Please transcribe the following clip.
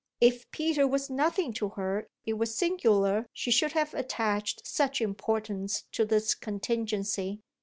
If Peter was nothing to her it was singular she should have attached such importance to this contingency.